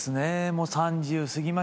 もう３０過ぎまして。